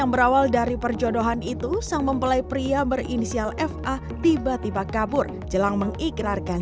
berawal dari perjodohan itu sang mempelai pria berinisial fa tiba tiba kabur jelang mengikrarkan